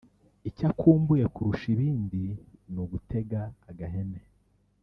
icyo akumbuye kurusha ibindi ni ugutega agahene